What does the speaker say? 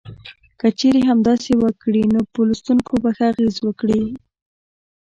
که چېرې همداسې وکړي نو په لوستونکو به ښه اغیز وکړي.